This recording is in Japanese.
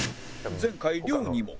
前回亮にも